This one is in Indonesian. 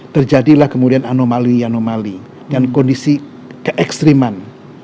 terjadilah kemudian anomali anomali dan kondisi keekstriman